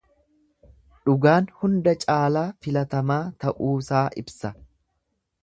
Dhugaan hunda caalaa filatamaa ta'uusaa ibsa.